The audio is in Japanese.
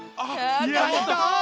やった。